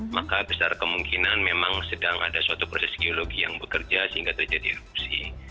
maka besar kemungkinan memang sedang ada suatu proses geologi yang bekerja sehingga terjadi erupsi